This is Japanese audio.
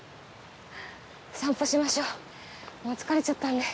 散歩しましょうもう疲れちゃったんで。